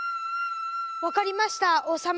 わかりました王様。